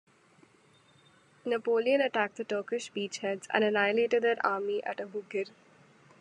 Napoleon attacked the Turkish beachheads and annihilated their army at Aboukir.